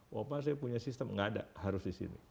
wapak saya punya sistem nggak ada harus di sini